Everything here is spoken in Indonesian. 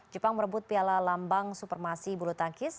jepang merebut piala lambang supermasi bulu tangkis